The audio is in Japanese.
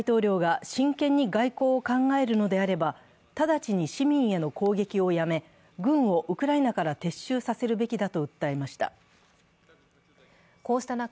プーチン大統領が真剣に外航を考えるのであれば直ちに市民への攻撃をやめ軍をウクライナから撤収させるべきだと訴えました。